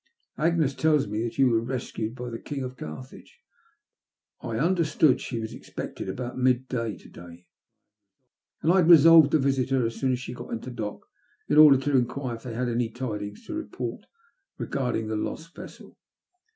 Agnes tells me that you were rescued by the King of Carthage. I under stood she was expected about mid day to day, and I had resolved to visit her as soon as she got into dock, in order to enquire if they had any tidings to report regarding the lost vessel.